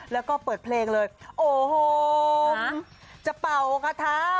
แล้วปลดเพลงเลยโอโฮมจะเป่าคาถมาค่ะ